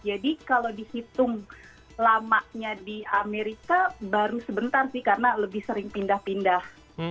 jadi kalau dihitung lamanya di amerika baru sebentar sih karena lebih sering pindah pindah